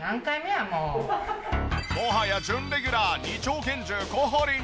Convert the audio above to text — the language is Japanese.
もはや準レギュラー２丁拳銃小堀んち。